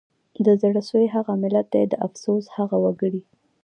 د زړه سوي هغه ملت دی د افسوس هغه وګړي